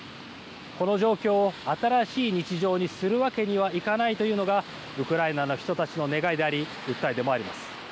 この状況を新しい日常にするわけにはいかないというのがウクライナの人たちの願いであり訴えでもあります。